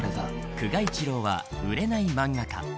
久我一郎は売れない漫画家。